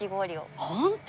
本当！？